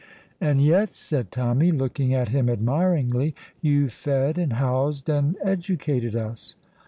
"And yet," said Tommy, looking at him admiringly, "you fed and housed and educated us.